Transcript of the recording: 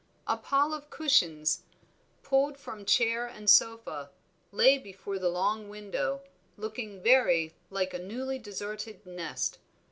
A pile of cushions, pulled from chair and sofa, lay before the long window, looking very like a newly deserted nest.